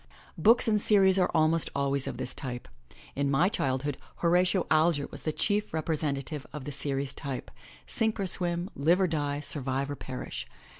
Books in series are almost always of this type. In my child hood Horatio Alger was the chief representative of the series type — Sink or Swim, Live or Die, Survive or Perish.